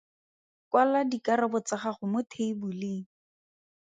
Kwala dikarabo tsa gago mo theiboleng.